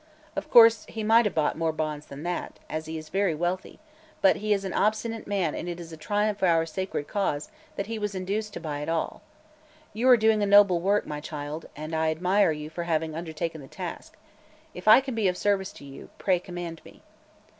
Of course, he might have bought more bonds than that, as he is very wealthy, but he is an obstinate man and it is a triumph for our sacred cause that he was induced to buy at all. You are doing a noble work, my child, and I admire you for having undertaken the task. If I can be of service to you, pray command me."